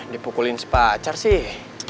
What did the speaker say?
dipukulin sepacar sih